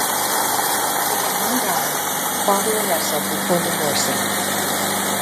They had one daughter, Claudia Russell, before divorcing.